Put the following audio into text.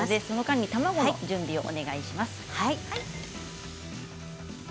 この間に卵の準備をお願いします。